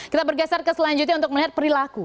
kita bergeser ke selanjutnya untuk melihat perilaku